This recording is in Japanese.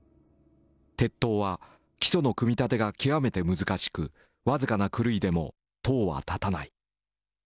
鉄塔は基礎の組み立てが極めて難しく僅かな狂いでも塔は建たない。